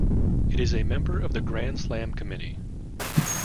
It is a member of the Grand Slam Committee.